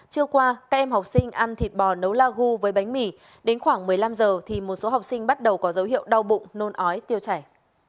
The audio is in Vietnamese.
trưa qua các em học sinh ăn thịt bò nấu la gu với bánh mì đến khoảng một mươi năm giờ thì một số học sinh bắt đầu có dấu hiệu đau bụng nôn ói tiêu chảy